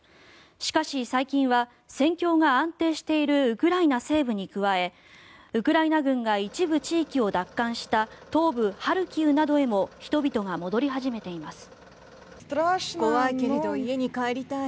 しかし最近は戦況が安定しているウクライナ西部に加えウクライナ軍が一部地域を奪還した東部ハルキウなどへも人々が戻り始めています。